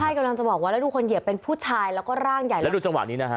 ใช่กำลังจะบอกว่าแล้วดูคนเหยียบเป็นผู้ชายแล้วก็ร่างใหญ่แล้วดูจังหวะนี้นะฮะ